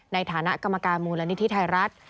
ในฐานะกรรมการมูลนิธิไทยรัฐ